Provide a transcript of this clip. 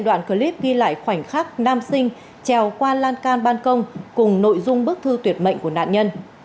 đoạn clip ghi lại khoảnh khắc nam sinh trèo qua lan can ban công cùng nội dung bức thư tuyệt mệnh của nạn nhân